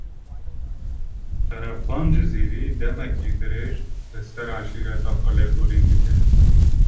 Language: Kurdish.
Şerefxan Cizîrî, demeke dirêj, li ser eşîreta xwe lêkolîn dike